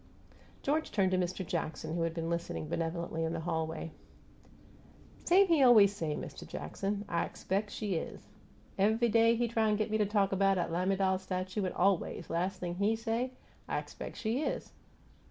George turned to Mist' Jackson, who had been listening benevolently in the hallway. "Same he aw ways say, Mist' Jackson 'I expec' she is!' Ev'y day he try t' git me talk 'bout 'at lamiDAL statue, an' aw ways, las' thing HE say, 'I expec' she is!'